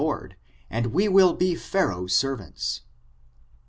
131 lord, and we will be Pharaoh's servants."